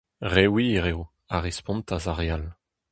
Re wir eo, a respontas ar re all.